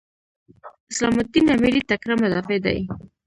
اسلام الدین امیري تکړه مدافع دی.